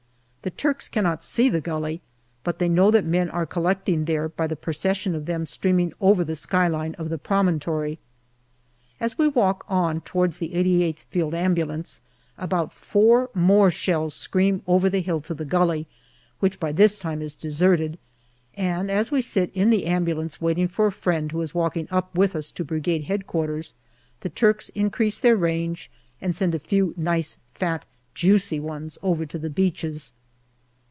The Turks cannot see the gully, but know that men are collecting there by the procession of them streaming over the skyline of the promontory. As we walk on towards the 88th Field Ambulance, about four more shells scream over the hill to the gully, which by this time is deserted ; and as we sit in the ambulance waiting for a friend who is walking up with us to Brigade H.Q., the Turks increase their range and send a few nice fat, juicy ones over to the beaches.